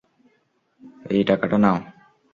এই টাকাটা নাও।